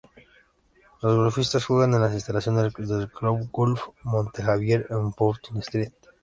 Los golfistas juegan en las instalaciones del Golf Club Monte Xavier en Fortune Street.